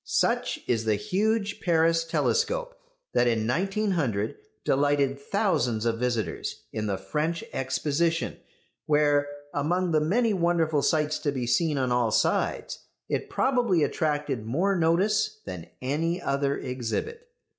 Such is the huge Paris telescope that in 1900 delighted thousands of visitors in the French Exposition, where, among the many wonderful sights to be seen on all sides, it probably attracted more notice than any other exhibit.